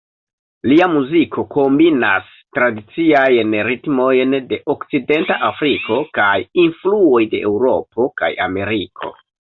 Lia muziko kombinas tradiciajn ritmojn de Okcidenta Afriko kaj influoj de Eŭropo kaj Ameriko.